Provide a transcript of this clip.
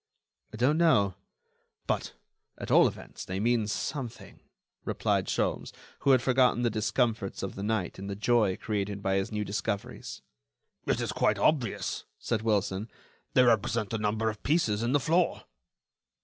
"I don't know; but, at all events, they mean something," replied Sholmes, who had forgotten the discomforts of the night in the joy created by his new discoveries. "It is quite obvious," said Wilson, "they represent the number of pieces in the floor."